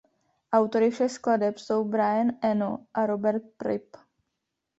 Autory všech skladeb jsou Brian Eno a Robert Fripp.